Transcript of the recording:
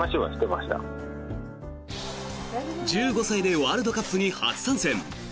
１５歳でワールドカップに初参戦。